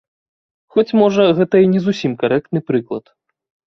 Хоць можа гэта і не зусім карэктны прыклад.